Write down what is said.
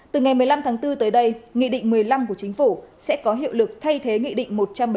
từ ngày một mươi năm tháng bốn tới đây nghị định một mươi năm của chính phủ sẽ có hiệu lực thay thế nghị định một trăm bảy mươi năm